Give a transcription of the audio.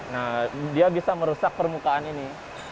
nah dia bisa merusak permukaan ini